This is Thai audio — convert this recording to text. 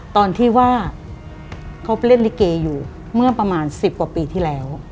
ตอนที่ว่าเขาไปเล่นลิเกอยู่เมื่อประมาณ๑๐กว่าปีที่แล้ว